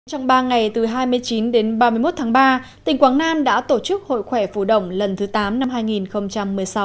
trong ba ngày từ hai mươi chín đến ba mươi một tháng ba tỉnh quảng nam đã tổ chức hội khỏe phụ đồng lần thứ tám năm hai nghìn một mươi sáu